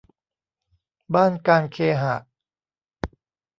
บ้านการเคหะ